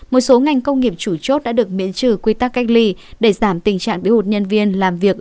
một số ngành công nghiệp chủ chốt đã được miễn trừ quy tắc cách ly để giảm tình trạng bí hụt nhân viên làm việc